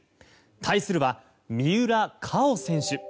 対するは、三浦佳生選手。